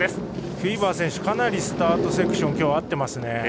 フィーバ選手、かなりスタートセクションに今日合っていますね。